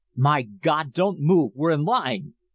"My God! Don't move! We're in line!"